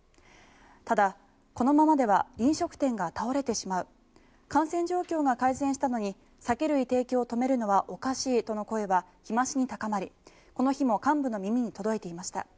ただ、このままでは飲食店が倒れてしまう感染状況が改善したのに酒類提供を止めるのはおかしいとの声は日増しに高まり、この日も幹部の耳に届いていました。